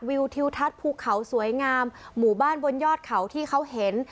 ทิวทัศน์ภูเขาสวยงามหมู่บ้านบนยอดเขาที่เขาเห็น